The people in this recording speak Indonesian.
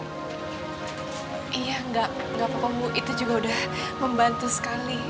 iya nggak apa apa bu itu juga udah membantu sekali